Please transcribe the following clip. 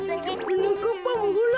はなかっぱもほら。